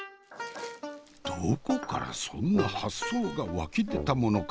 どこからそんな発想が湧き出たものか？